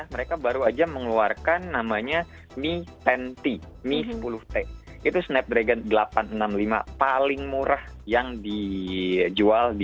ini mereka baru aja mengeluarkan namanya mi sepuluh t itu snapdragon delapan ratus enam puluh lima paling murah yang dijual di